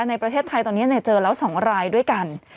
ในประเทศไทยตอนนี้เจอแล้ว๒รายด้วยกัน